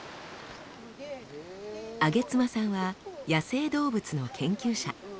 揚妻さんは野生動物の研究者。